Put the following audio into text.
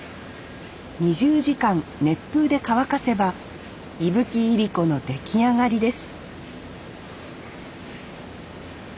２０時間熱風で乾かせば伊吹いりこの出来上がりです